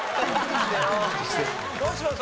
どうします？